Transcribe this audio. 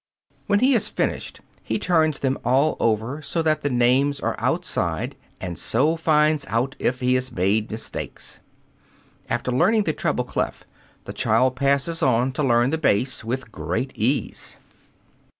When he has finished, he turns them all over so that the names are outside, and so finds out if he has made mistakes. After learning the treble clef the child passes on to learn the bass with great ease.